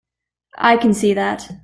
I can see that.